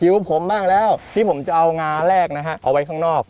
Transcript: ผมบ้างแล้วที่ผมจะเอางาแรกนะฮะเอาไว้ข้างนอก